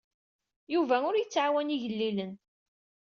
Yuba ur yettɛawan igellilen.